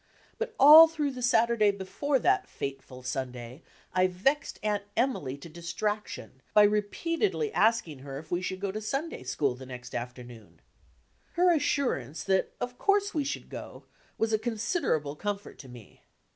But all through the Saturday before that fateful Sunday I vexed Aunt Emily to distraction by repeatedly asking her if we should go to Sunday school the next afteriKwn. Her assurance that of course we should go was a considerable comfort ra me.